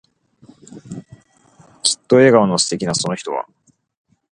きっと笑顔の素敵なその人は、